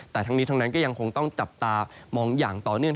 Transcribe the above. แต่ทั้งนี้ทั้งนั้นก็ยังคงต้องจับตามองอย่างต่อเนื่อง